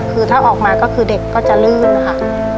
คือถ้าออกมาก็คือเด็กก็จะลื่นนะคะ